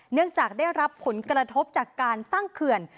เนื่องจากได้รับผลกระทบจากการสร้างเขื่อน